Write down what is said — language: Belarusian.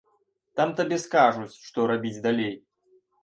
Там табе скажуць, што рабіць далей.